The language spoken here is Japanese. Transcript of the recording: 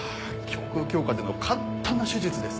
胸腔鏡下での簡単な手術です。